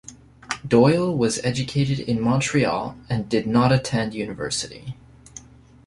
Doyle was educated in Montreal, and did not attend university.